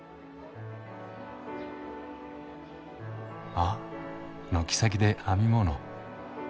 あっ軒先で編み物。